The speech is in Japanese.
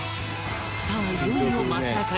さあいよいよ街中へ